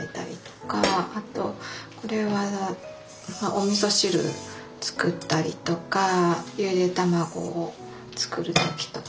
あとこれはおみそ汁作ったりとかゆで卵を作る時とか。